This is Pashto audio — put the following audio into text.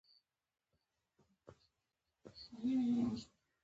مصنوعي ځیرکتیا د بیان ازادي نوې بڼه ورکوي.